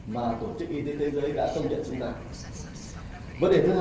mà tổ chức y tế thế giới đã công nhận chúng ta